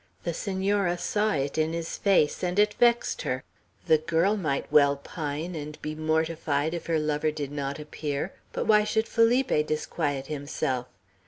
The Senora saw it in his face, and it vexed her. The girl might well pine, and be mortified if her lover did not appear. But why should Felipe disquiet himself?